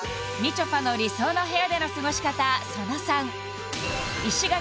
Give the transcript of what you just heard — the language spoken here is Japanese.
ちょぱの理想の部屋での過ごし方